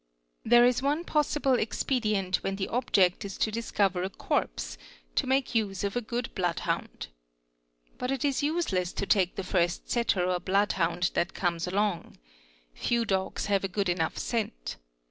There is one possible expedient when the object is to discover a corpse, to make use of a good bloodhound. But it is" useless to take the first setter or bloodhound that comes along. Hew dogs have a good enough scent.